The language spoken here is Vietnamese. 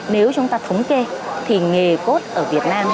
nếu chúng ta thống kê thì nghề cốt ở việt nam